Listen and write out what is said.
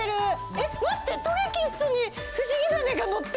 えっ待って！